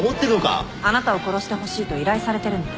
あなたを殺してほしいと依頼されてるんで。